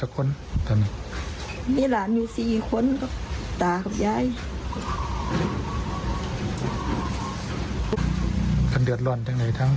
ลอนกว่ามีงานเห็นและก็คดีขอคืบหน้า